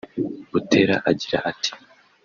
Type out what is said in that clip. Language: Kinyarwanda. Butera agira ati